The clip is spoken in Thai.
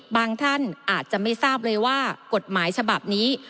ท่านอาจจะไม่ทราบเลยว่ากฎหมายฉบับนี้